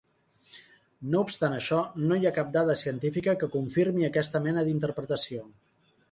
No obstant això, no hi ha cap dada científica que confirmi aquesta mena d'interpretació.